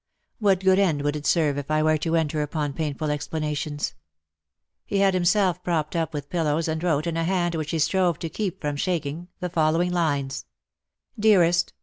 What good end would it serve if I were to enter upon painful explanations ?" He had himself propped up with pillows_,and wrote, in a hand Avhich he strove to keep from shaking, the following lines :— "Dearest!